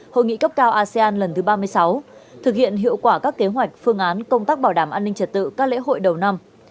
hội nghị cấp cao asean lần thứ ba mươi sáu thực hiện hiệu quả các kế hoạch phương án công tác bảo đảm an ninh trật tự các lễ hội đầu năm